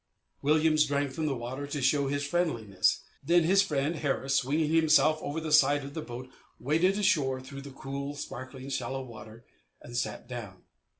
Williams drank from the water to show his friendliness. Then his friend, Harris, swinging himself over the side of the boat, waded ashore through the cool, sparkling, shallow water and sat down.